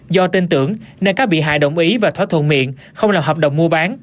do tin tưởng nên cá bị hại đồng ý và thoát thuận miệng không làm hợp đồng mua bán